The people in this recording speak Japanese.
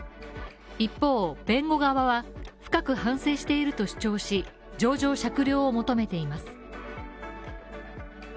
一方、弁護側は深く反省していると主張し情状酌量を求めています。